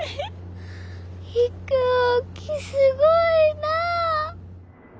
飛行機すごいなぁ！